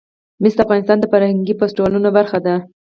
مس د افغانستان د فرهنګي فستیوالونو برخه ده.